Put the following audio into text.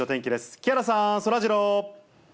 木原さん、そらジロー。